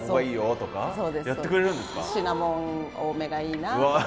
「シナモン多めがいいな」とか。